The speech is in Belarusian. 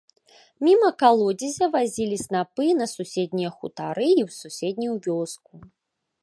Міма калодзезя вазілі снапы і на суседнія хутары, і ў суседнюю вёску.